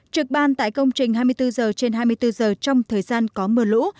trực ban tại công trình hai mươi bốn giờ trên hai mươi bốn giờ trong thời gian có mưa lũ